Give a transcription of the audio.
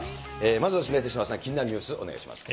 まずは手嶋さん、気になるニュース、お願いします。